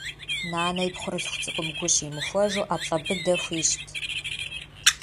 Нанэ и пхъурылъху цӏыкӏум гу щимыхуэжу ӏэплӏэ быдэ хуищӏт.